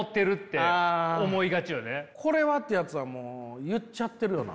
「これは」ってやつはもう言っちゃってるよな。